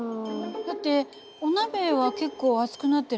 だってお鍋は結構熱くなってるのにね。